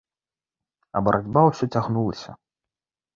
А барацьба ўсё цягнулася.